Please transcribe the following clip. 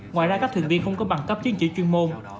ngoài ra các thuyền viên không có bằng cấp chứng chỉ chuyên môn